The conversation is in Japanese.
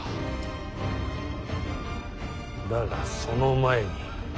だがその前に。